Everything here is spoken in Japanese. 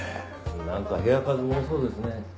なんか部屋数も多そうですね。